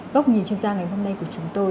góc nhìn chuyên gia ngày hôm nay của chúng tôi